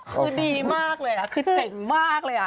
คือดีมากเลยคือเจ๋งมากเลย